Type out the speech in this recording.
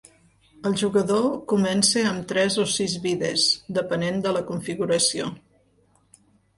El jugador comença amb tres o sis vides, depenent de la configuració.